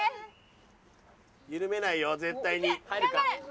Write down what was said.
緩めないよ絶対に。